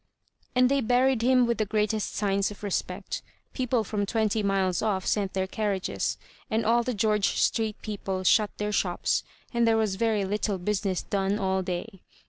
And they buried him with the greatest signs of respect. People from twenty miles off sent their carriages, and all the George Street people shut their shops, and there was very little busi ness done all day.